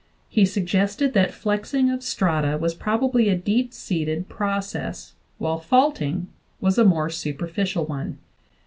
He sug gested that flexing of strata was probably a deep seated process, while faulting was a more superficial one.